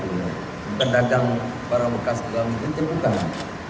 bukan dagang barang bekas dalam itu itu bukan